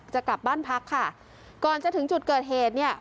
จะกลับบ้านพักค่ะก่อนจะถึงจุดเกิดเหตุเนี่ย